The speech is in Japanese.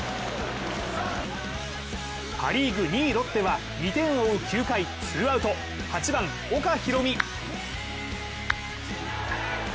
パ・リーグ２位・ロッテは２点を追う９回ツーアウト８番・岡大海。